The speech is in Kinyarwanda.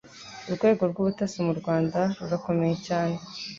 urwego rw'ubutasi mu Rwanda rurakomeye cyane